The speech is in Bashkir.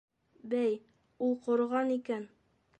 Бәй, ул ҡороған икән.